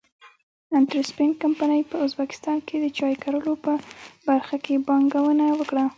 انټرسپن کمپنۍ په ازبکستان کې د چای کرلو په برخه کې پانګونه وکړه.